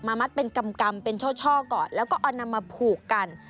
มัดเป็นกำเป็นช่อก่อนแล้วก็เอานำมาผูกกัน